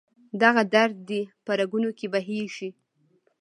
دغه درد دې په رګونو کې بهیږي